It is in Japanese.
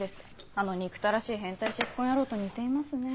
あの憎たらしい変態シスコン野郎と似ていますね。